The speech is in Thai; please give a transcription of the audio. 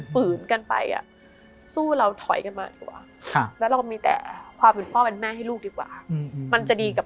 ฝืนกันไป